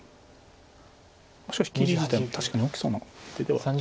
しかし切り自体も確かに大きそうな手では。